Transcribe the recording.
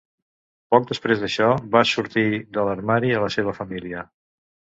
Poc després d'això, va sortir de l'armari a la seva família.